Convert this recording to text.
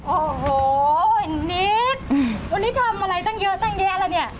โอ้โหนิดวันนี้ทำอะไรตั้งเยอะตั้งแยะแล้วเนี่ย